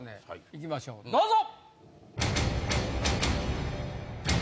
いきましょうどうぞ！